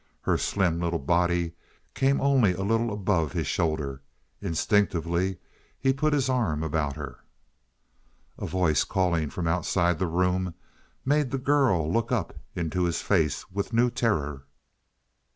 Her slim little body came only a little above his shoulder; instinctively he put his arm about her. A voice, calling from outside the room, made the girl look up into his face with new terror.